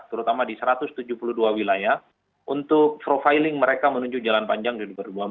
terutama di satu ratus tujuh puluh dua wilayah untuk profiling mereka menuju jalan panjang di dua ribu dua puluh empat